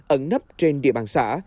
ẩn nắp trên địa bàn xã